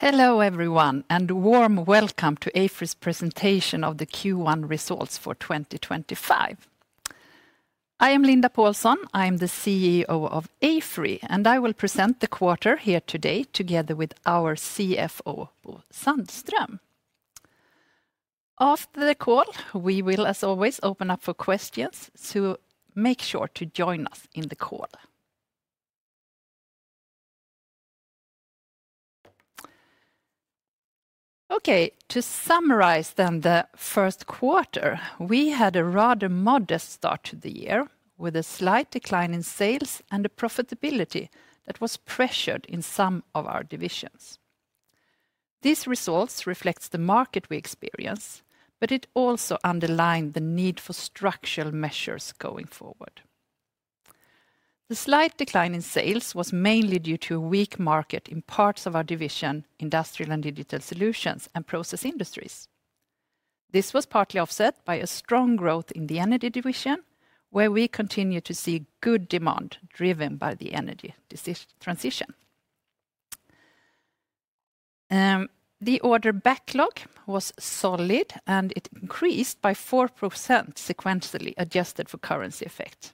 Hello everyone, and a warm welcome to AFRY's presentation of the Q1 results for 2025. I am Linda Pålsson, I am the CEO of AFRY, and I will present the quarter here today together with our CFO, Bo Sandström. After the call, we will, as always, open up for questions, so make sure to join us in the call. Okay, to summarize then the first quarter, we had a rather modest start to the year with a slight decline in sales and a profitability that was pressured in some of our divisions. These results reflect the market we experience, but it also underlined the need for structural measures going forward. The slight decline in sales was mainly due to a weak market in parts of our division, Industrial & Digital Solutions and Process Industries. This was partly offset by a strong growth in the Energy division, where we continue to see good demand driven by the Energy transition. The order backlog was solid, and it increased by 4% sequentially adjusted for currency effect.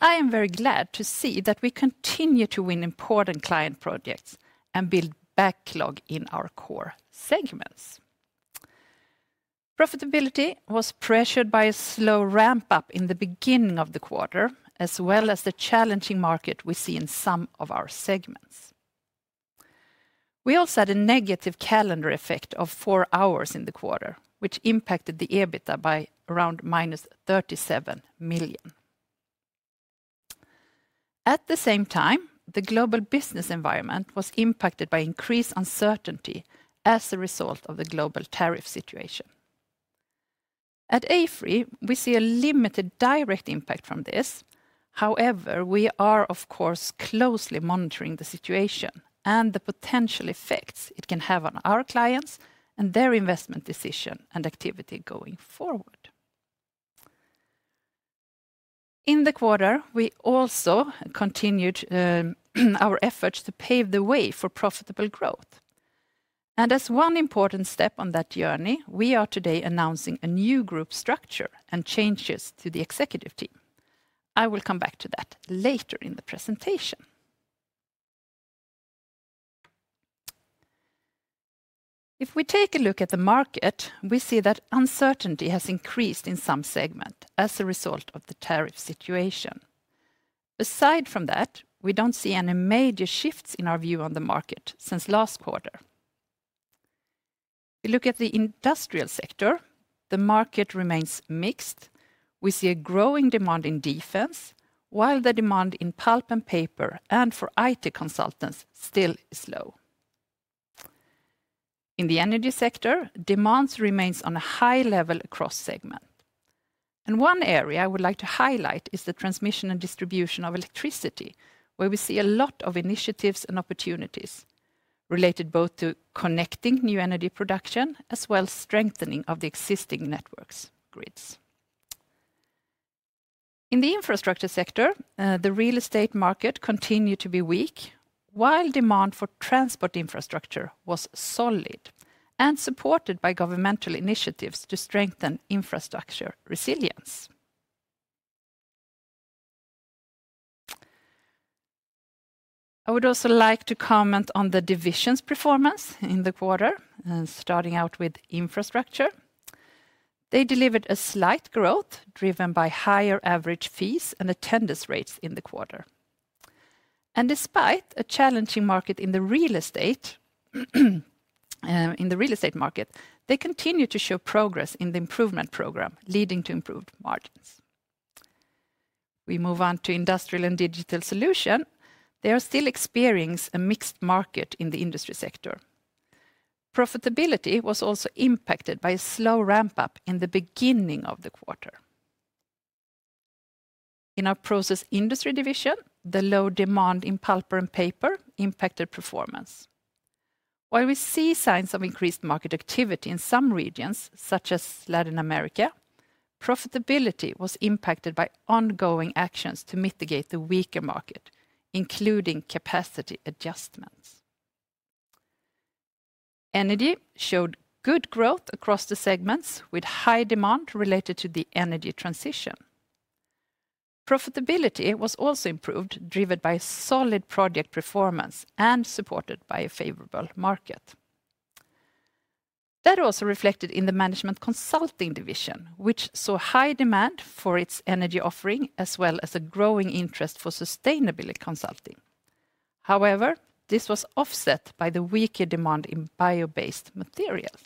I am very glad to see that we continue to win important client projects and build backlog in our core segments. Profitability was pressured by a slow ramp-up in the beginning of the quarter, as well as the challenging market we see in some of our segments. We also had a negative calendar effect of four hours in the quarter, which impacted the EBITDA by around, minus 37 million. At the same time, the global business environment was impacted by increased uncertainty as a result of the global tariff situation. At AFRY, we see a limited direct impact from this. However, we are, of course, closely monitoring the situation and the potential effects it can have on our clients and their investment decision and activity going forward. In the quarter, we also continued our efforts to pave the way for profitable growth. As one important step on that journey, we are today announcing a new group structure and changes to the executive team. I will come back to that later in the presentation. If we take a look at the market, we see that uncertainty has increased in some segments as a result of the tariff situation. Aside from that, we do not see any major shifts in our view on the market since last quarter. We look at the industrial sector; the market remains mixed. We see a growing demand in defense, while the demand in pulp and paper and for IT consultants still is low. In the Energy sector, demand remains on a high level across segments. One area I would like to highlight is the transmission and distribution of electricity, where we see a lot of initiatives and opportunities related both to connecting new Energy production as well as strengthening of the existing networks and grids. In the Infrastructure sector, the real estate market continued to be weak, while demand for transport Infrastructure was solid and supported by governmental initiatives to strengthen Infrastructure resilience. I would also like to comment on the division's performance in the quarter, starting out with Infrastructure. They delivered a slight growth driven by higher average fees and attendance rates in the quarter. Despite a challenging market in the real estate market, they continue to show progress in the improvement program, leading to improved margins. We move on to Industrial & Digital Solution. They are still experiencing a mixed market in the Industry sector. Profitability was also impacted by a slow ramp-up in the beginning of the quarter. In our Process Industry division, the low demand in pulp and paper impacted performance. While we see signs of increased market activity in some regions, such as Latin America, profitability was impacted by ongoing actions to mitigate the weaker market, including capacity adjustments. Energy showed good growth across the segments with high demand related to the energy transition. Profitability was also improved, driven by solid project performance and supported by a favorable market. That also reflected in the Management Consulting division, which saw high demand for its Energy offering as well as a growing interest for sustainability consulting. However, this was offset by the weaker demand in Bio-based Materials.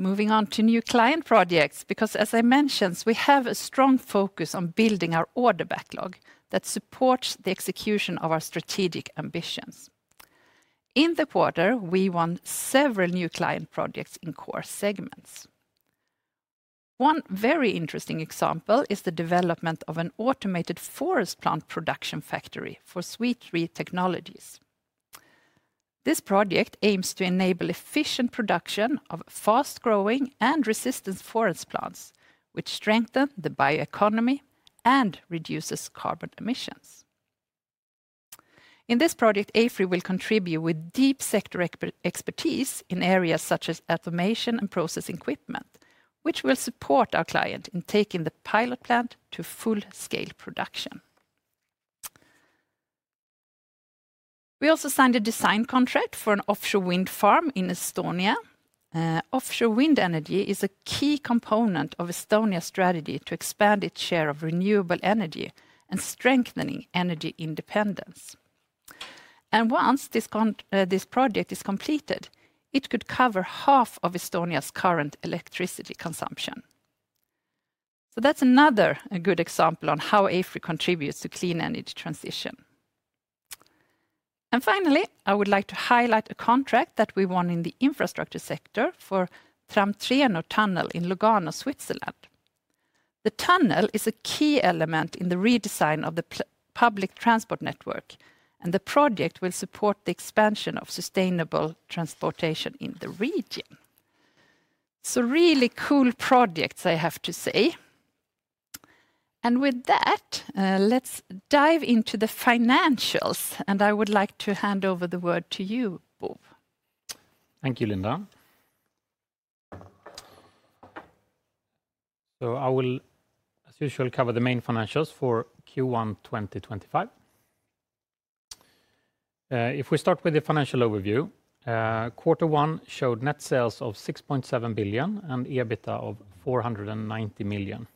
Moving on to new client projects, because as I mentioned, we have a strong focus on building our order backlog that supports the execution of our strategic ambitions. In the quarter, we won several new client projects in core segments. One very interesting example is the development of an automated forest plant production factory for SweTree Technologies. This project aims to enable efficient production of fast-growing and resistant forest plants, which strengthens the bio-economy and reduces carbon emissions. In this project, AFRY will contribute with deep sector expertise in areas such as automation and process equipment, which will support our client in taking the pilot plant to full-scale production. We also signed a design contract for an offshore wind farm in Estonia. Offshore wind energy is a key component of Estonia's strategy to expand its share of renewable energy and strengthening energy independence. Once this project is completed, it could cover half of Estonia's current electricity consumption. That is another good example on how AFRY contributes to the clean energy transition. Finally, I would like to highlight a contract that we won in the Infrastructure sector for Tram-Treno tunnel in Lugano, Switzerland. The tunnel is a key element in the redesign of the public transport network, and the project will support the expansion of sustainable transportation in the region. Really cool projects, I have to say. With that, let's dive into the financials, and I would like to hand over the word to you, Bo. Thank you, Linda. I will, as usual, cover the main financials for Q1 2025. If we start with the financial overview, quarter one showed net sales of 6.7 billion and EBITDA of 490 million.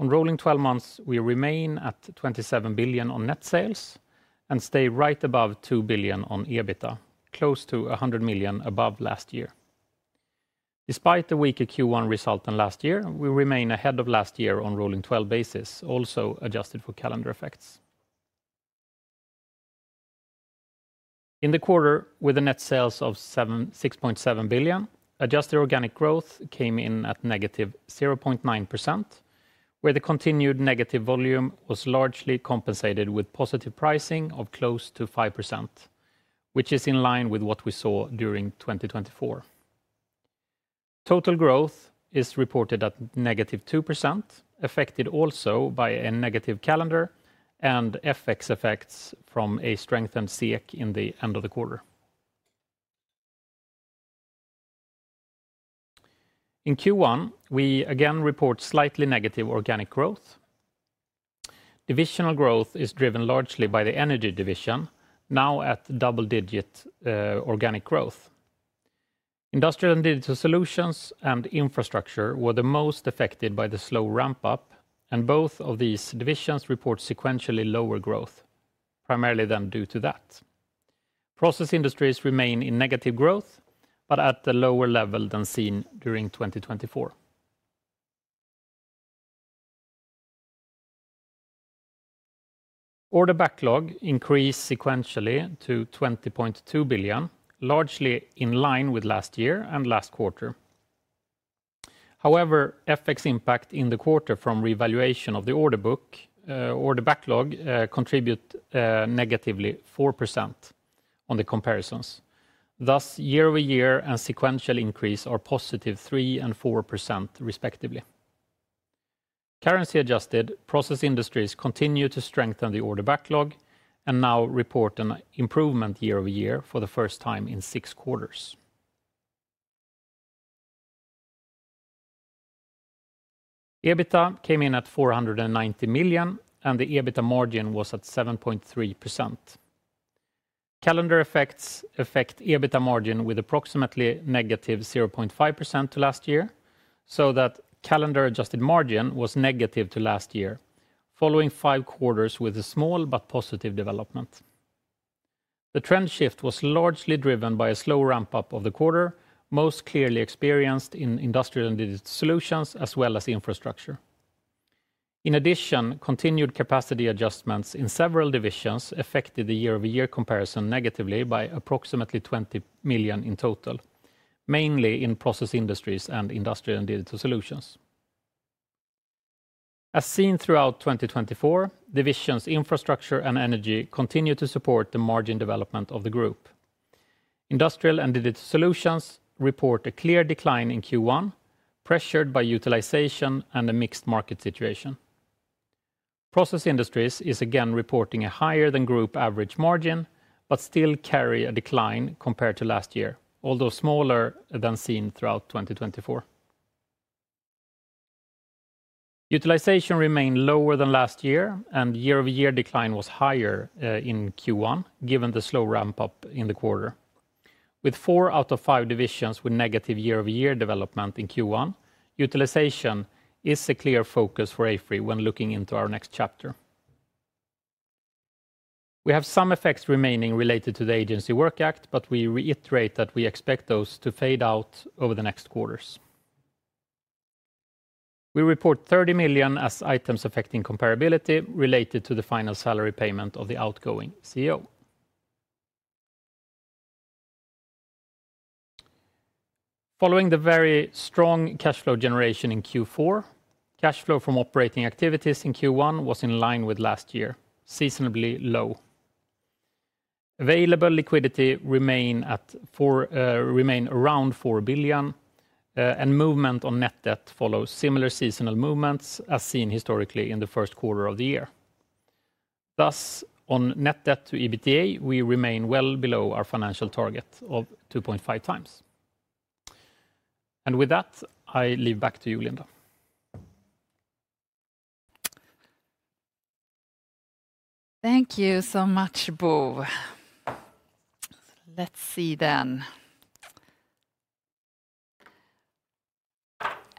On rolling 12 months, we remain at 27 billion on net sales and stay right above 2 billion on EBITDA, close to 100 million above last year. Despite the weaker Q1 result than last year, we remain ahead of last year on rolling 12 basis, also adjusted for calendar effects. In the quarter, with a net sales of 6.7 billion, adjusted organic growth came in at negative 0.9%, where the continued negative volume was largely compensated with positive pricing of close to 5%, which is in line with what we saw during 2024. Total growth is reported at negative 2%, affected also by a negative calendar and FX effects from a strengthened SEK in the end of the quarter. In Q1, we again report slightly negative organic growth. Divisional growth is driven largely by the Energy division, now at double-digit organic growth. Industrial & Digital Solutions and Infrastructure were the most affected by the slow ramp-up, and both of these divisions report sequentially lower growth, primarily then due to that. Process industries remain in negative growth, but at a lower level than seen during 2023. Order backlog increased sequentially to 20.2 billion, largely in line with last year and last quarter. However, FX impact in the quarter from revaluation of the order book, order backlog contributed negatively 4% on the comparisons. Thus, year over year and sequential increase are positive 3% and 4% respectively. Currency adjusted, process industries continue to strengthen the order backlog and now report an improvement year over year for the first time in six quarters. EBITDA came in at 490 million, and the EBITDA margin was at 7.3%. Calendar effects affect EBITDA margin with approximately negative 0.5% to last year, so that calendar adjusted margin was negative to last year, following five quarters with a small but positive development. The trend shift was largely driven by a slow ramp-up of the quarter, most clearly experienced in Industrial & Digital Solutions as well as infrastructure. In addition, continued capacity adjustments in several divisions affected the year-over-year comparison negatively by approximately 20 million in total, mainly in Process Industries and Industrial & Digital Solutions. As seen throughout 2024, divisions' infrastructure and Energy continue to support the margin development of the group. Industrial & Digital Solutions report a clear decline in Q1, pressured by utilization and a mixed market situation. Process industries are again reporting a higher than group average margin, but still carry a decline compared to last year, although smaller than seen throughout 2024. Utilization remained lower than last year, and year-over-year decline was higher in Q1 given the slow ramp-up in the quarter. With four out of five divisions with negative year-over-year development in Q1, utilization is a clear focus for AFRY when looking into our next chapter. We have some effects remaining related to the Agency Work Act, but we reiterate that we expect those to fade out over the next quarters. We report 30 million as items affecting comparability related to the final salary payment of the outgoing CEO. Following the very strong cash flow generation in Q4, cash flow from operating activities in Q1 was in line with last year, seasonably low. Available liquidity remained around 4 billion, and movement on net debt follows similar seasonal movements as seen historically in the first quarter of the year. Thus, on net debt to EBITDA, we remain well below our financial target of 2.5 times. With that, I leave back to you, Linda. Thank you so much, Bo. Let's see then.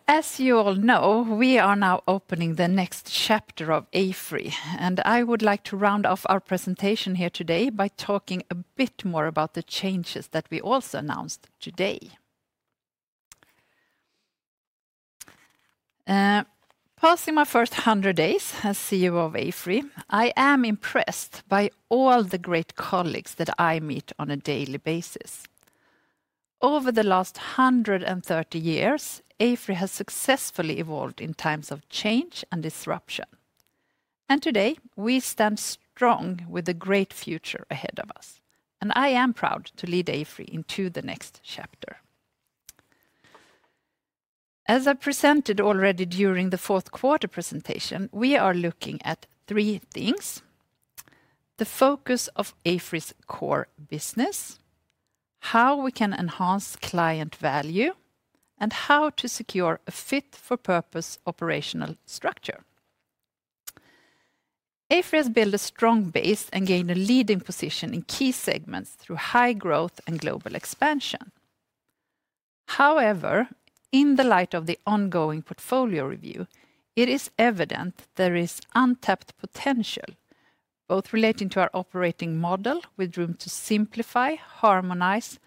As you all know, we are now opening the next chapter of AFRY, and I would like to round off our presentation here today by talking a bit more about the changes that we also announced today. Passing my first 100 days as CEO of AFRY, I am impressed by all the great colleagues that I meet on a daily basis. Over the last 130 years, AFRY has successfully evolved in times of change and disruption. Today, we stand strong with the great future ahead of us, and I am proud to lead AFRY into the next chapter. As I presented already during the fourth quarter presentation, we are looking at three things: the focus of AFRY's core business, how we can enhance client value, and how to secure a fit-for-purpose operational structure. AFRY has built a strong base and gained a leading position in key segments through high growth and global expansion. However, in the light of the ongoing portfolio review, it is evident there is untapped potential, both relating to our operating model, with room to simplify, harmonize,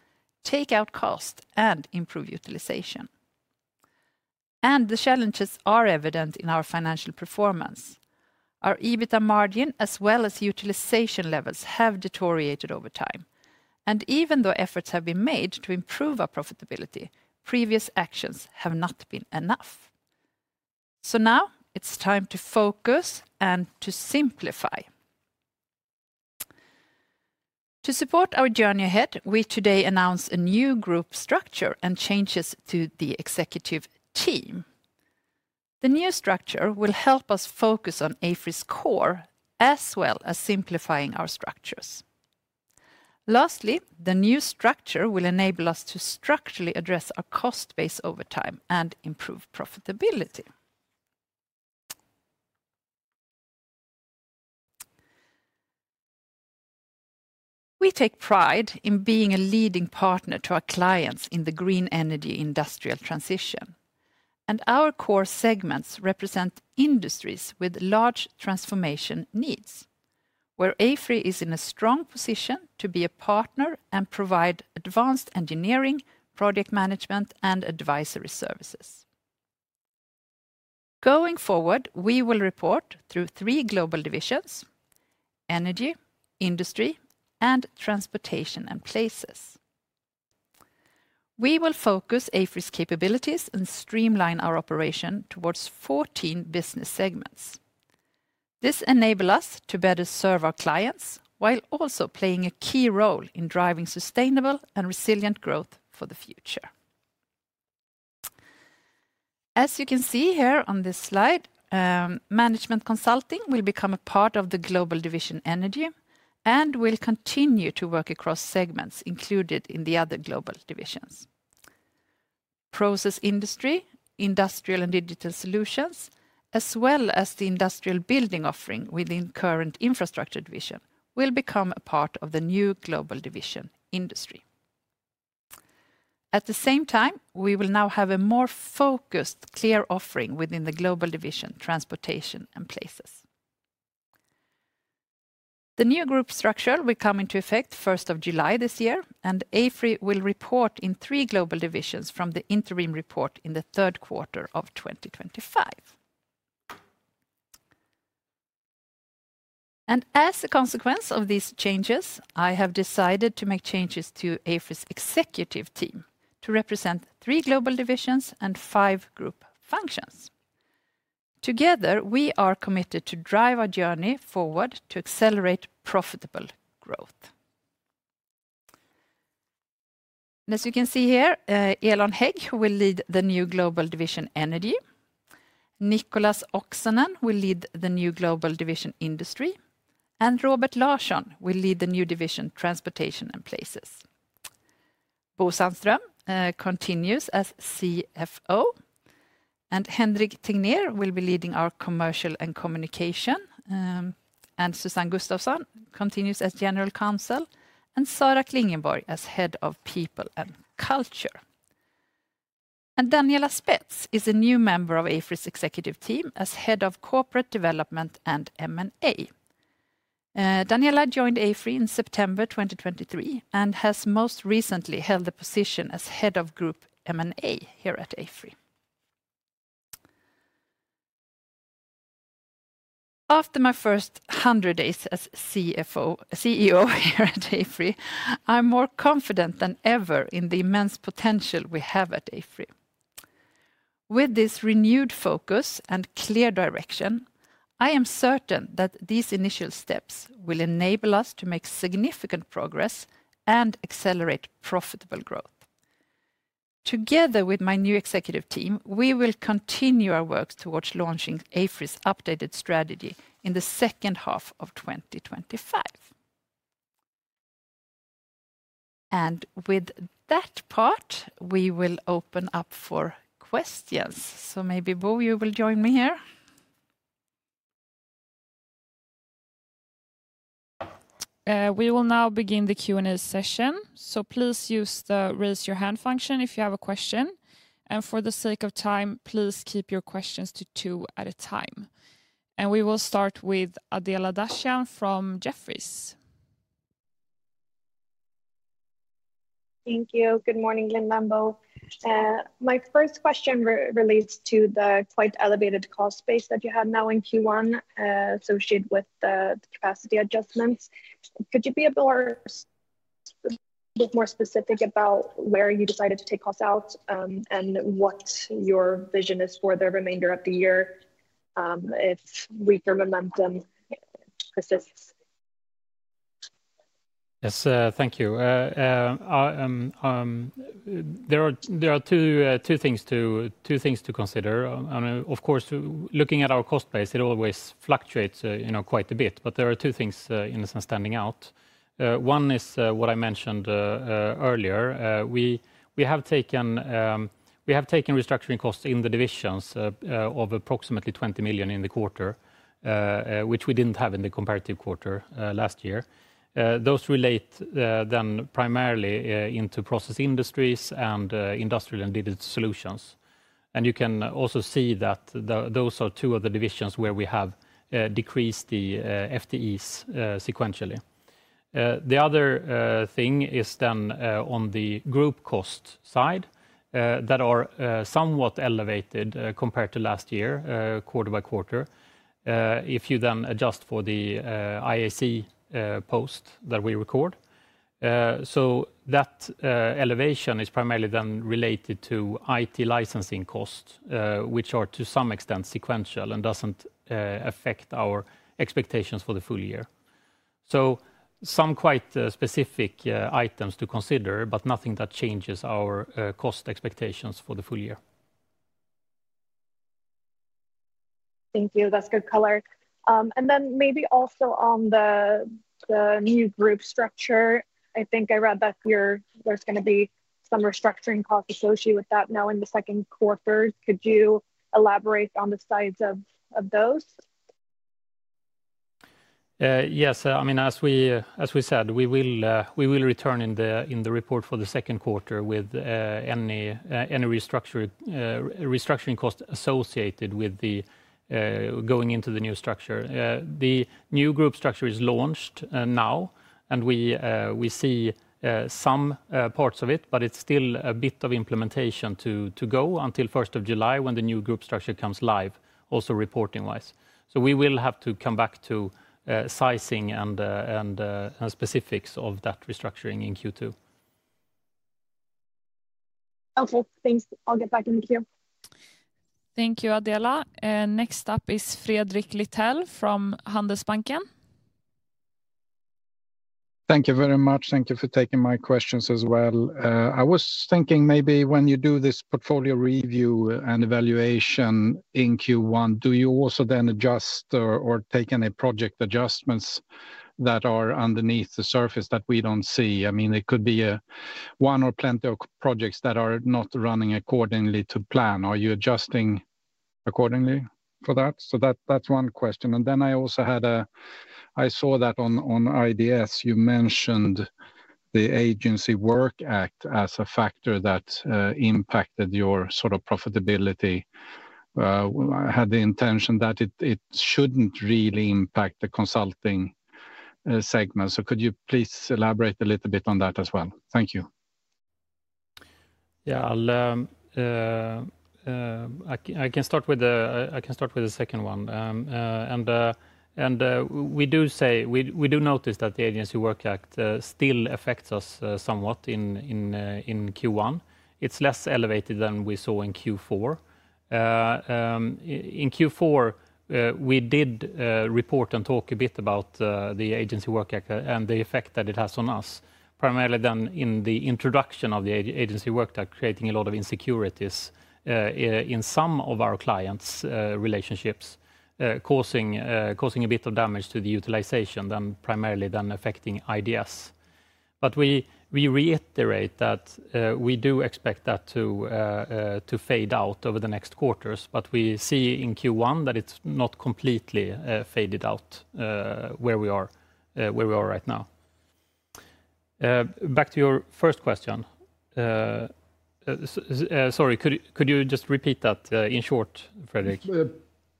take out cost, and improve utilization. The challenges are evident in our financial performance. Our EBITDA margin, as well as utilization levels, have deteriorated over time. Even though efforts have been made to improve our profitability, previous actions have not been enough. Now it is time to focus and to simplify. To support our journey ahead, we today announced a new group structure and changes to the executive team. The new structure will help us focus on AFRY's core as well as simplifying our structures. Lastly, the new structure will enable us to structurally address our cost base over time and improve profitability. We take pride in being a leading partner to our clients in the green energy industrial transition, and our core segments represent industries with large transformation needs, where AFRY is in a strong position to be a partner and provide advanced engineering, project management, and advisory services. Going forward, we will report through three global divisions: Energy, Industry, and Transportation and Places. We will focus AFRY's capabilities and streamline our operation towards 14 business segments. This enables us to better serve our clients while also playing a key role in driving sustainable and resilient growth for the future. As you can see here on this slide, management consulting will become a part of the global division Energy, and we'll continue to work across segments included in the other global divisions. Process Industry, industrial and digital solutions, as well as the Industrial Building offering within the current infrastructure division, will become a part of the new global division industry. At the same time, we will now have a more focused, clear offering within the global division Transportation and Places. The new group structure will come into effect 1st of July this year, and AFRY will report in three global divisions from the interim report in the third quarter of 2025. As a consequence of these changes, I have decided to make changes to AFRY's executive team to represent three global divisions and five group functions. Together, we are committed to drive our journey forward to accelerate profitable growth. As you can see here, Elon Hägg will lead the new global division Energy. Nicholas Oksanen will lead the new global division industry, and Robert Larsson will lead the new division Transportation and Places. Bo Sandström continues as CFO, and Henrik Tegnér will be leading our Commercial and Communication, and Susan Gustafsson continues as General Counsel, and Sara Klingenborg as Head of People and Culture. Daniela Spetz is a new member of AFRY's executive team as Head of Corporate Development and M&A. Daniela joined AFRY in September 2023 and has most recently held the position as Head of Group M&A here at AFRY. After my first 100 days as CEO here at AFRY, I'm more confident than ever in the immense potential we have at AFRY. With this renewed focus and clear direction, I am certain that these initial steps will enable us to make significant progress and accelerate profitable growth. Together with my new executive team, we will continue our work towards launching AFRY's updated strategy in the second half of 2025. With that part, we will open up for questions. Maybe Bo will join me here. We will now begin the Q&A session, so please use the raise your hand function if you have a question. For the sake of time, please keep your questions to two at a time. We will start with Adela Dashian from Jefferies. Thank you. Good morning, Linda and Bo. My first question relates to the quite elevated cost base that you have now in Q1 associated with the capacity adjustments. Could you be a bit more specific about where you decided to take costs out and what your vision is for the remainder of the year if weaker momentum persists? Yes, thank you. There are two things to consider. Of course, looking at our cost base, it always fluctuates quite a bit, but there are two things in a sense standing out. One is what I mentioned earlier. We have taken restructuring costs in the divisions of approximately 20 million in the quarter, which we did not have in the comparative quarter last year. Those relate then primarily into Process Industries & Industrial and Digital Solutions. You can also see that those are two of the divisions where we have decreased the FTEs sequentially. The other thing is on the group cost side that are somewhat elevated compared to last year quarter by quarter if you adjust for the IAC post that we record. That elevation is primarily then related to IT licensing costs, which are to some extent sequential and doesn't affect our expectations for the full year. Some quite specific items to consider, but nothing that changes our cost expectations for the full year. Thank you. That's good color. Maybe also on the new group structure, I think I read that there's going to be some restructuring costs associated with that now in the second quarter. Could you elaborate on the size of those? Yes. I mean, as we said, we will return in the report for the second quarter with any restructuring cost associated with going into the new structure. The new group structure is launched now, and we see some parts of it, but it's still a bit of implementation to go until 1st of July when the new group structure comes live, also reporting-wise. We will have to come back to sizing and specifics of that restructuring in Q2. Okay, thanks. I'll get back into Q. Thank you, Adela. Next up is Fredrik Lithell from Handelsbanken. Thank you very much. Thank you for taking my questions as well. I was thinking maybe when you do this portfolio review and evaluation in Q1, do you also then adjust or take any project adjustments that are underneath the surface that we do not see? I mean, it could be one or plenty of projects that are not running accordingly to plan. Are you adjusting accordingly for that? That is one question. I also had a, I saw that on IDS, you mentioned the Agency Work Act as a factor that impacted your sort of profitability. I had the intention that it should not really impact the consulting segment. Could you please elaborate a little bit on that as well? Thank you. Yeah, I can start with the second one. We do notice that the Agency Work Act still affects us somewhat in Q1. It's less elevated than we saw in Q4. In Q4, we did report and talk a bit about the Agency Work Act and the effect that it has on us, primarily then in the introduction of the Agency Work Act, creating a lot of insecurities in some of our clients' relationships, causing a bit of damage to the utilization, then primarily then affecting IDS. We reiterate that we do expect that to fade out over the next quarters, but we see in Q1 that it's not completely faded out where we are right now. Back to your first question. Sorry, could you just repeat that in short, Fredrik?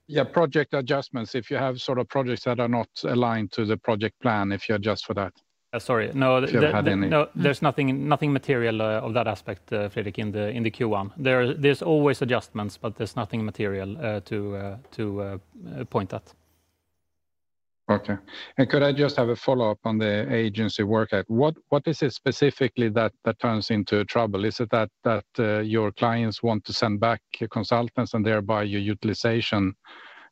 Yeah, project adjustments, if you have sort of projects that are not aligned to the project plan, if you adjust for that. Sorry, no. There's nothing material of that aspect, Fredrik, in the Q1. There's always adjustments, but there's nothing material to point at. Okay. Could I just have a follow-up on the Agency Work Act? What is it specifically that turns into trouble? Is it that your clients want to send back consultants and thereby your utilization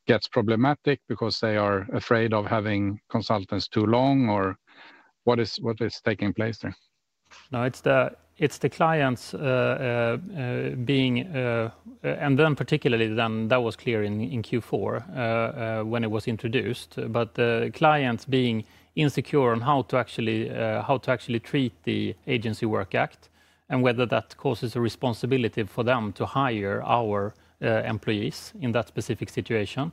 gets problematic because they are afraid of having consultants too long, or what is taking place there? No, it's the clients being, and then particularly then that was clear in Q4 when it was introduced, but the clients being insecure on how to actually treat the Agency Work Act and whether that causes a responsibility for them to hire our employees in that specific situation.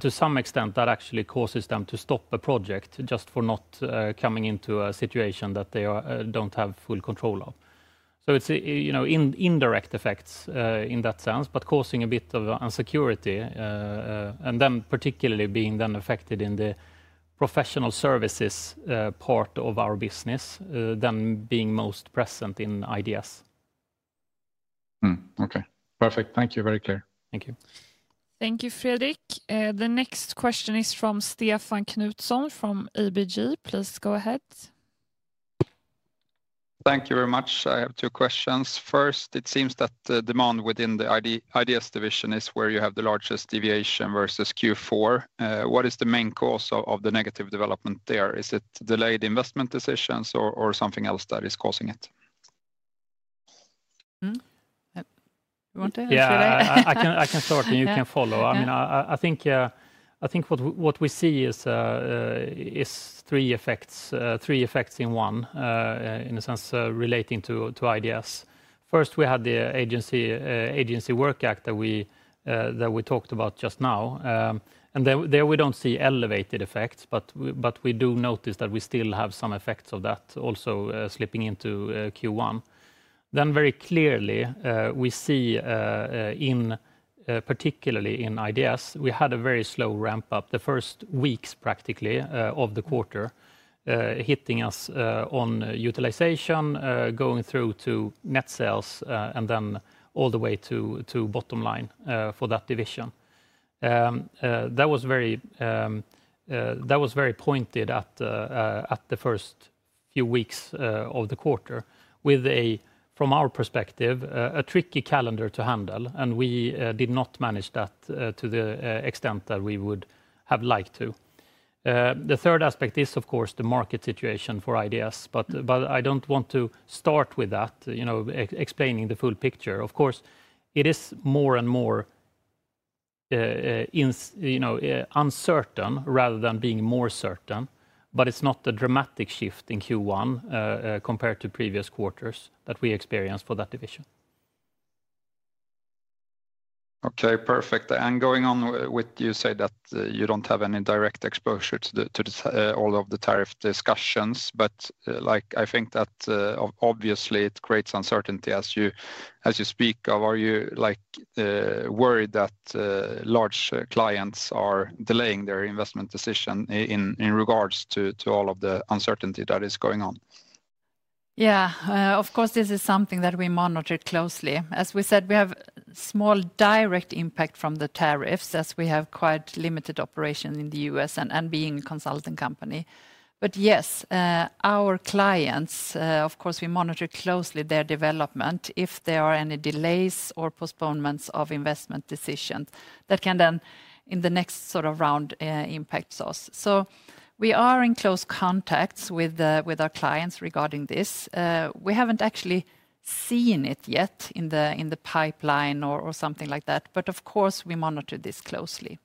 To some extent, that actually causes them to stop a project just for not coming into a situation that they don't have full control of. It's indirect effects in that sense, but causing a bit of unsecurity and then particularly being then affected in the professional services part of our business, then being most present in IDS. Okay. Perfect. Thank you. Very clear. Thank you. Thank you, Fredrik. The next question is from Stefan Knutsson from ABG. Please go ahead. Thank you very much. I have two questions. First, it seems that the demand within the IDS division is where you have the largest deviation versus Q4. What is the main cause of the negative development there? Is it delayed investment decisions or something else that is causing it? You want to answer that? Yeah, I can start and you can follow. I mean, I think what we see is three effects in one, in a sense relating to IDS. First, we had the Agency Work Act that we talked about just now. There we do not see elevated effects, but we do notice that we still have some effects of that also slipping into Q1. Very clearly, we see particularly in IDS, we had a very slow ramp-up the first weeks practically of the quarter, hitting us on utilization, going through to net sales, and then all the way to bottom line for that division. That was very pointed at the first few weeks of the quarter with, from our perspective, a tricky calendar to handle, and we did not manage that to the extent that we would have liked to. The third aspect is, of course, the market situation for IDS, but I don't want to start with that, explaining the full picture. Of course, it is more and more uncertain rather than being more certain, but it's not a dramatic shift in Q1 compared to previous quarters that we experienced for that division. Okay, perfect. I'm going on with you say that you don't have any direct exposure to all of the tariff discussions, but I think that obviously it creates uncertainty as you speak of. Are you worried that large clients are delaying their investment decision in regards to all of the uncertainty that is going on? Yeah, of course, this is something that we monitor closely. As we said, we have small direct impact from the tariffs as we have quite limited operation in the U.S. and being a consulting company. Yes, our clients, of course, we monitor closely their development if there are any delays or postponements of investment decisions that can then in the next sort of round impact us. We are in close contacts with our clients regarding this. We have not actually seen it yet in the pipeline or something like that, but of course, we monitor this closely.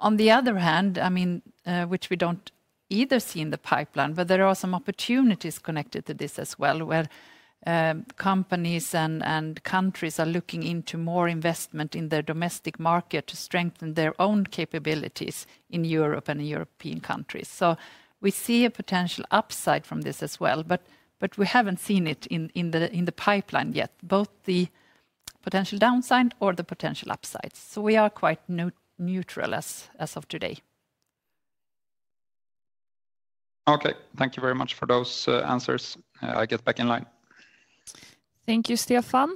On the other hand, I mean, which we do not either see in the pipeline, but there are some opportunities connected to this as well where companies and countries are looking into more investment in their domestic market to strengthen their own capabilities in Europe and in European countries. We see a potential upside from this as well, but we haven't seen it in the pipeline yet, both the potential downside or the potential upside. We are quite neutral as of today. Okay, thank you very much for those answers. I get back in line. Thank you, Stefan.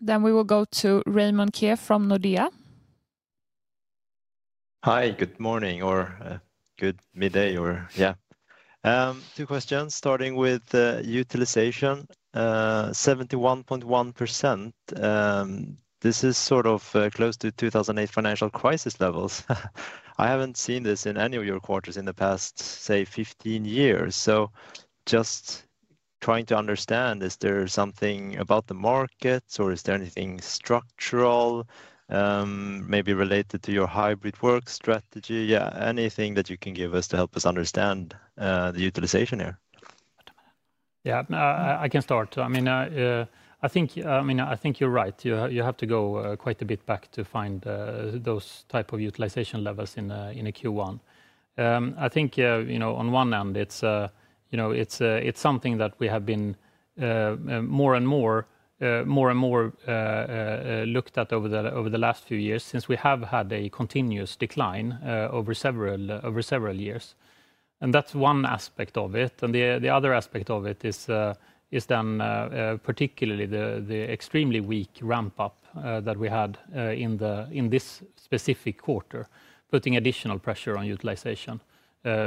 We will go to Raymond Ke from Nordea. Hi, good morning or good midday or yeah. Two questions starting with utilization, 71.1%. This is sort of close to 2008 financial crisis levels. I haven't seen this in any of your quarters in the past, say, 15 years. Just trying to understand, is there something about the markets or is there anything structural, maybe related to your hybrid work strategy? Yeah, anything that you can give us to help us understand the utilization here? Yeah, I can start. I mean, I think you're right. You have to go quite a bit back to find those type of utilization levels in Q1. I think on one end, it's something that we have been more and more looked at over the last few years since we have had a continuous decline over several years. That's one aspect of it. The other aspect of it is then particularly the extremely weak ramp-up that we had in this specific quarter, putting additional pressure on utilization,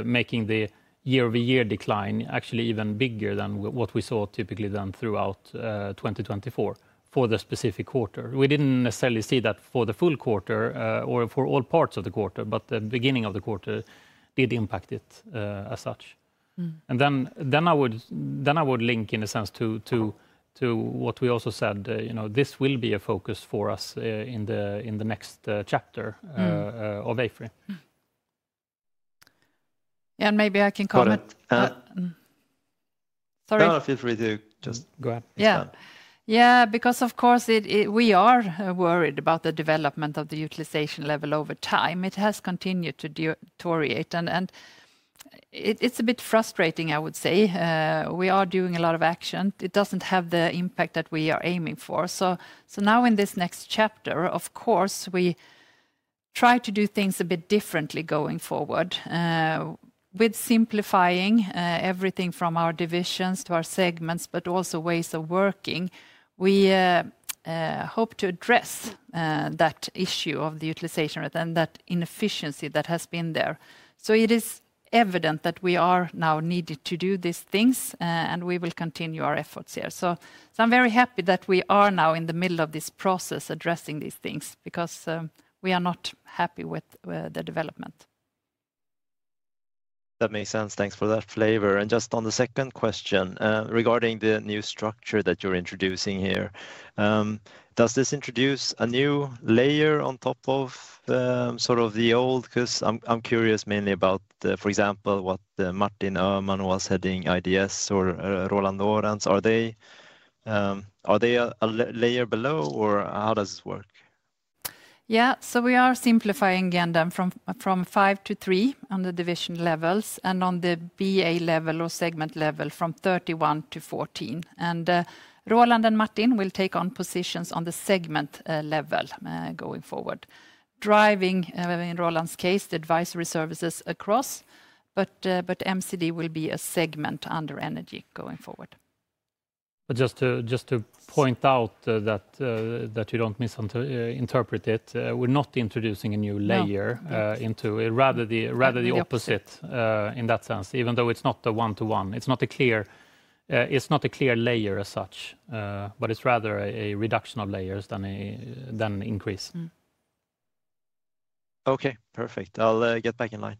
making the year-over-year decline actually even bigger than what we saw typically then throughout 2024 for the specific quarter. We didn't necessarily see that for the full quarter or for all parts of the quarter, but the beginning of the quarter did impact it as such. I would link in a sense to what we also said, this will be a focus for us in the next chapter of AFRY. Maybe I can comment. Sorry. No, feel free to just go ahead. Yeah, because of course, we are worried about the development of the utilization level over time. It has continued to deteriorate. It's a bit frustrating, I would say. We are doing a lot of action. It doesn't have the impact that we are aiming for. Now in this next chapter, of course, we try to do things a bit differently going forward. With simplifying everything from our divisions to our segments, but also ways of working, we hope to address that issue of the utilization and that inefficiency that has been there. It is evident that we are now needed to do these things and we will continue our efforts here. I'm very happy that we are now in the middle of this process addressing these things because we are not happy with the development. That makes sense. Thanks for that flavor. Just on the second question regarding the new structure that you're introducing here, does this introduce a new layer on top of sort of the old? I'm curious mainly about, for example, when Martin Öhman was heading IDS or Roland Lorenz. Are they a layer below or how does this work? Yeah, we are simplifying again them from five to three on the division levels and on the BA level or segment level from 31 to 14. Roland and Martin will take on positions on the segment level going forward, driving in Roland's case, the advisory services across, but MCD will be a segment under energy going forward. Just to point out that you don't misinterpret it, we're not introducing a new layer into it, rather the opposite in that sense, even though it's not a one-to-one. It's not a clear layer as such, but it's rather a reduction of layers than an increase. Okay, perfect. I'll get back in line.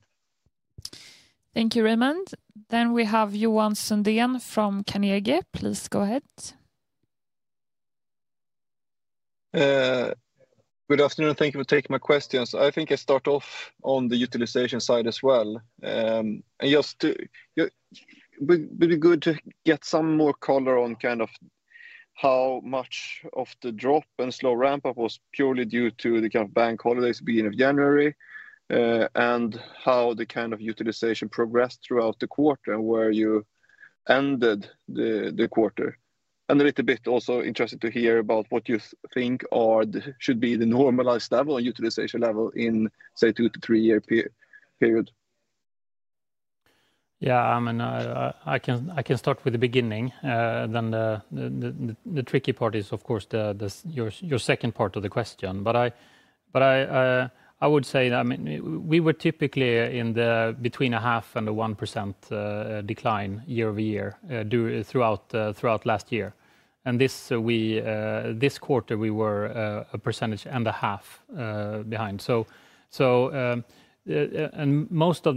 Thank you, Raymond. We have Johan Sundén from Carnegie. Please go ahead. Good afternoon. Thank you for taking my questions. I think I start off on the utilization side as well. Just would it be good to get some more color on kind of how much of the drop and slow ramp-up was purely due to the kind of bank holidays at the beginning of January and how the kind of utilization progressed throughout the quarter and where you ended the quarter? I am also a little bit interested to hear about what you think should be the normalized level and utilization level in, say, two to three-year period. Yeah, I mean, I can start with the beginning. The tricky part is, of course, your second part of the question, but I would say that we were typically in the between a half and a 1% decline year over year throughout last year. This quarter, we were a percentage and a half behind. Most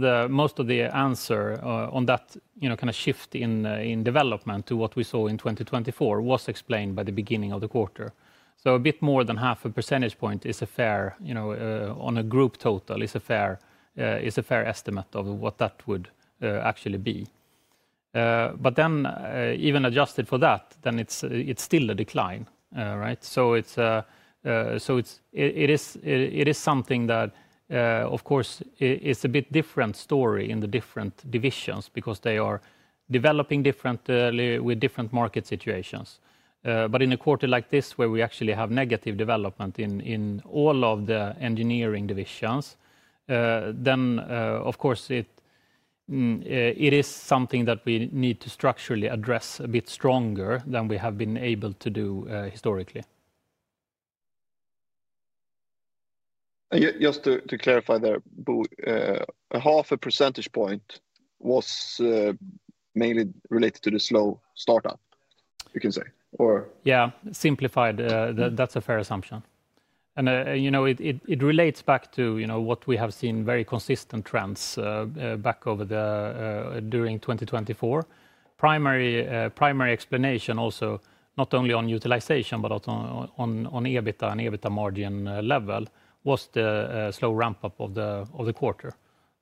of the answer on that kind of shift in development to what we saw in 2024 was explained by the beginning of the quarter. A bit more than half a percentage point on a group total is a fair estimate of what that would actually be. Even adjusted for that, it is still a decline, right? It is something that, of course, is a bit different story in the different divisions because they are developing differently with different market situations. In a quarter like this where we actually have negative development in all of the engineering divisions, then of course, it is something that we need to structurally address a bit stronger than we have been able to do historically. Just to clarify there, half a percentage point was mainly related to the slow startup, you can say, or? Yeah, simplified, that's a fair assumption. It relates back to what we have seen, very consistent trends back over the during 2024. Primary explanation also not only on utilization, but also on EBITDA and EBITDA margin level was the slow ramp-up of the quarter.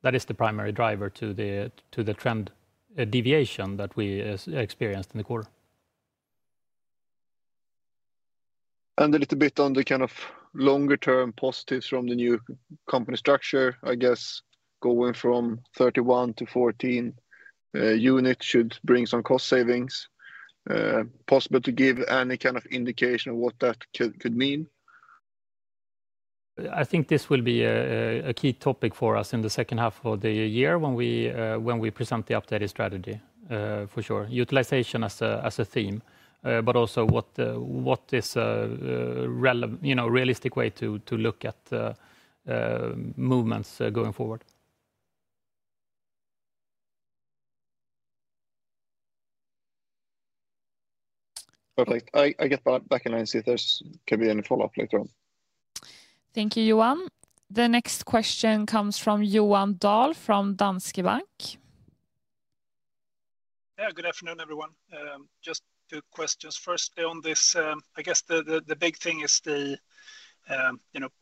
That is the primary driver to the trend deviation that we experienced in the quarter. A little bit on the kind of longer-term positives from the new company structure, I guess going from 31 to 14 units should bring some cost savings. Possible to give any kind of indication of what that could mean? I think this will be a key topic for us in the second half of the year when we present the updated strategy for sure. Utilization as a theme, but also what is a realistic way to look at movements going forward. Perfect. I get back in line and see if there can be any follow-up later on. Thank you, Johan. The next question comes from Johan Dahl from Danske Bank. Yeah, good afternoon, everyone. Just two questions. First on this, I guess the big thing is the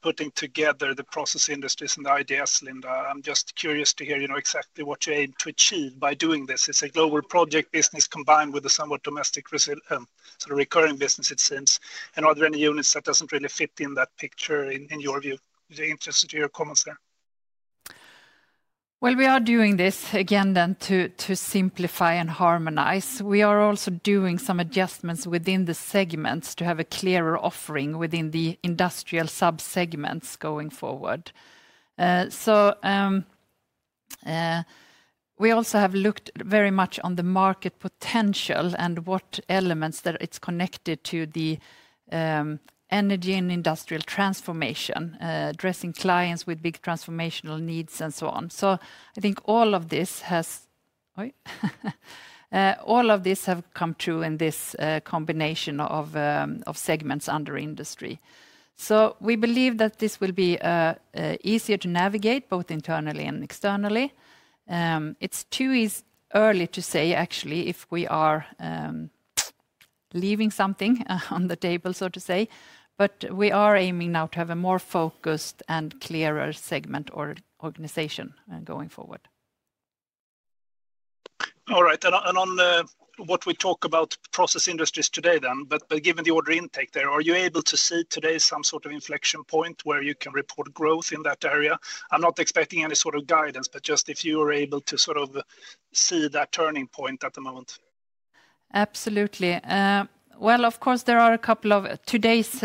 putting together the process industries and the IDS, Linda. I'm just curious to hear exactly what you aim to achieve by doing this. It's a global project business combined with a somewhat domestic sort of recurring business, it seems. Are there any units that don't really fit in that picture in your view? Interested to hear your comments there. We are doing this again then to simplify and harmonize. We are also doing some adjustments within the segments to have a clearer offering within the industrial subsegments going forward. We have looked very much on the market potential and what elements that it's connected to the energy and industrial transformation, addressing clients with big transformational needs and so on. I think all of this has come true in this combination of segments under industry. We believe that this will be easier to navigate both internally and externally. It's too early to say actually if we are leaving something on the table, so to say, but we are aiming now to have a more focused and clearer segment or organization going forward. All right. On what we talk about process industries today then, but given the order intake there, are you able to see today some sort of inflection point where you can report growth in that area? I'm not expecting any sort of guidance, but just if you are able to sort of see that turning point at the moment. Absolutely. Of course, there are a couple of today's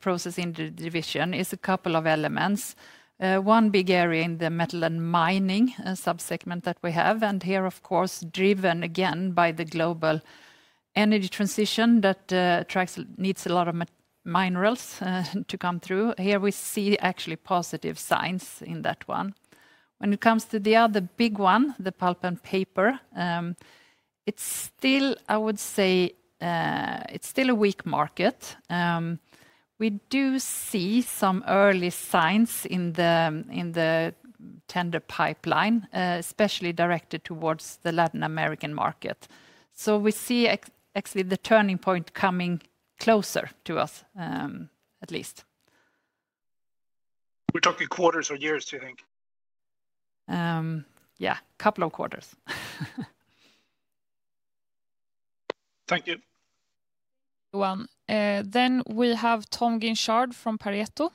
process division is a couple of elements. One big area in the metal and mining subsegment that we have, and here, of course, driven again by the global energy transition that needs a lot of minerals to come through. Here we see actually positive signs in that one. When it comes to the other big one, the pulp and paper, it's still, I would say, it's still a weak market. We do see some early signs in the tender pipeline, especially directed towards the Latin American market. We see actually the turning point coming closer to us at least. We're talking quarters or years, do you think? Yeah, a couple of quarters. Thank you. Thank you, Johan. We have Tom Guinchard from Pareto.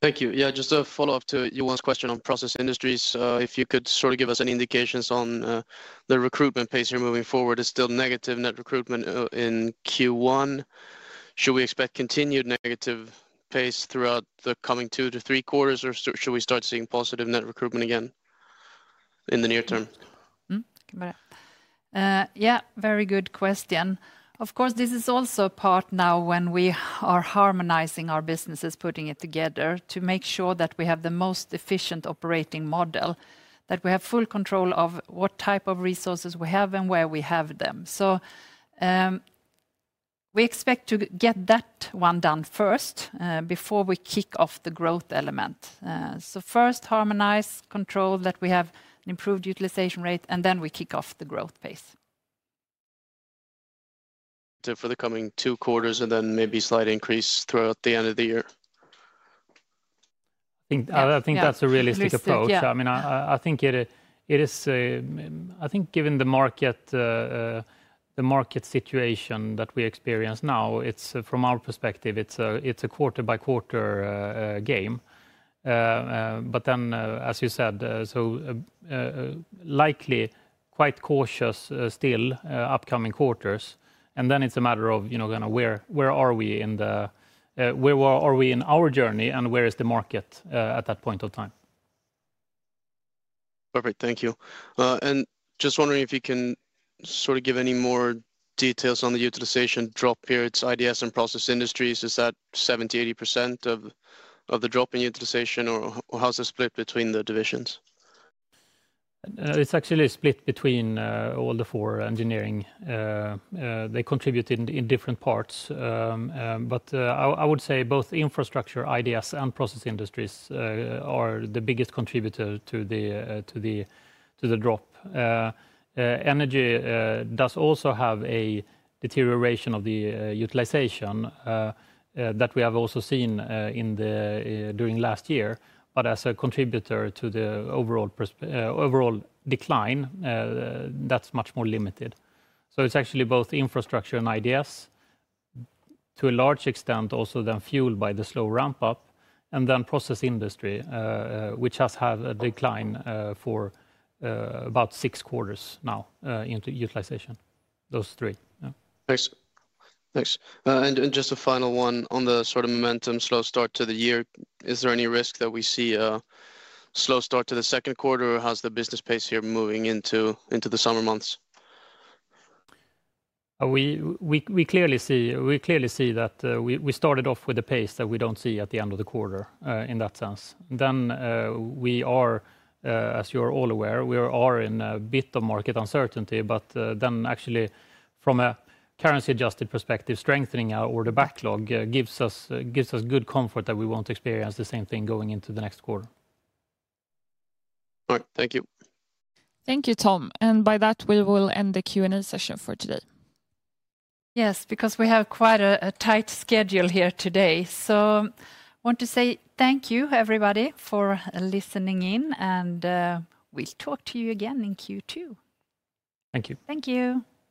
Thank you. Yeah, just a follow-up to Johan's question on process industries. If you could sort of give us an indication on the recruitment pace here moving forward. It's still negative net recruitment in Q1. Should we expect continued negative pace throughout the coming two to three quarters or should we start seeing positive net recruitment again in the near term? Yeah, very good question. Of course, this is also part now when we are harmonizing our businesses, putting it together to make sure that we have the most efficient operating model, that we have full control of what type of resources we have and where we have them. We expect to get that one done first before we kick off the growth element. First harmonize, control that we have an improved utilization rate, and then we kick off the growth pace. For the coming two quarters and then maybe slight increase throughout the end of the year. I think that's a realistic approach. I mean, I think it is, I think given the market situation that we experience now, from our perspective, it's a quarter-by-quarter game. As you said, likely quite cautious still upcoming quarters. It is a matter of kind of where are we in the, where are we in our journey and where is the market at that point of time? Perfect. Thank you. Just wondering if you can sort of give any more details on the utilization drop here. It's IDS and process industries. Is that 70%-80% of the drop in utilization or how's it split between the divisions? It's actually split between all the four engineering. They contribute in different parts. I would say both infrastructure, IDS, and process industries are the biggest contributor to the drop. Energy does also have a deterioration of the utilization that we have also seen during last year, but as a contributor to the overall decline, that's much more limited. It's actually both infrastructure and IDS to a large extent also then fueled by the slow ramp-up and then process industry, which has had a decline for about six quarters now into utilization, those three. Thanks. Just a final one on the sort of momentum slow start to the year. Is there any risk that we see a slow start to the second quarter or how's the business pace here moving into the summer months? We clearly see that we started off with a pace that we don't see at the end of the quarter in that sense. As you're all aware, we are in a bit of market uncertainty, but actually from a currency-adjusted perspective, strengthening of the backlog gives us good comfort that we won't experience the same thing going into the next quarter. All right. Thank you. Thank you, Tom. By that, we will end the Q&A session for today. Yes, because we have quite a tight schedule here today. I want to say thank you, everybody, for listening in, and we'll talk to you again in Q2. Thank you. Thank you.